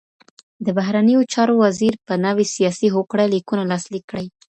د بهرنيو چارو وزير به نوي سياسي هوکړه ليکونه لاسليک کړي.